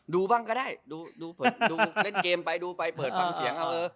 ดูก็ได้ดูเล่นเกมไปดูไปเปิดฟังเสียง